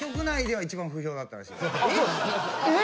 えっ？